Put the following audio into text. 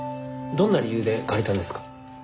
どんな理由で借りたんですか？